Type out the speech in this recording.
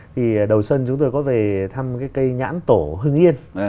thì đầu xuân chúng tôi có về thăm cái cây nhãn tổ hưng yên